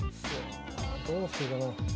どうしようかな。